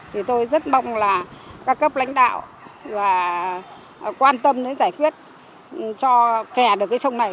thì tôi rất mong là các cấp lãnh đạo và quan tâm đến giải quyết cho kè được cái sông này